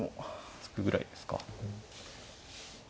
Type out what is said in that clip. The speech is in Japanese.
突くぐらいですか。